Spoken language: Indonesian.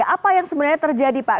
apa yang sebenarnya terjadi pak